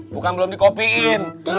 bukan belum dikopiin